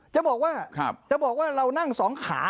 จะบอกว่าเรานั่งสองขา